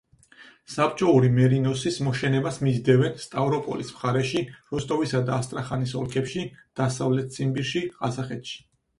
საბჭოური მერინოსის მოშენებას მისდევენ სტავროპოლის მხარეში, როსტოვისა და ასტრახანის ოლქებში, დასავლეთ ციმბირში, ყაზახეთში.